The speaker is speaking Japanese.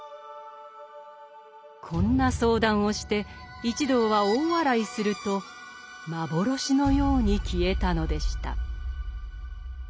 こんな相談をして一同は大笑いすると幻のように消えたのでした。